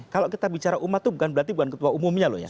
kalau kita bicara umat itu bukan berarti bukan ketua umumnya loh ya